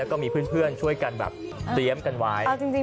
แล้วก็มีเพื่อนช่วยกันแบบเตรียมกันไว้